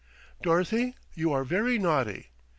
"Dorothy, you are very naughty."